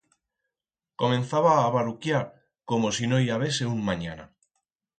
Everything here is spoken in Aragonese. Comenza a baruquiar como si no n'i habese un manyana.